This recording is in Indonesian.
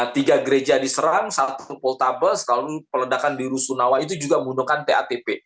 tiga gereja diserang satu poltabes lalu peledakan di rusunawa itu juga menggunakan tatp